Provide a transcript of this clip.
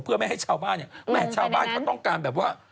เพื่อไม่ให้ชาวบ้านเนี่ยแม่ชาวบ้านเขาต้องการแบบว่า